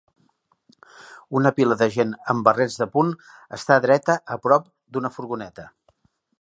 Una pila de gent amb barrets de punt està dreta a prop d'una furgoneta.